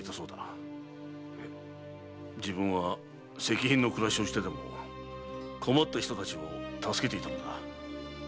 自分は赤貧の暮らしをしてでも困った人たちを助けていたのだ。